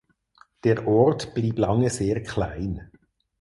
Der Ort blieb lange sehr klein.